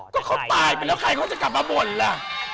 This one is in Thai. มาปล่อยแล้วใครก็จะกลับมาบ่นล่ะ